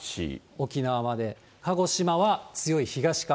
沖縄まで、鹿児島は強い東風。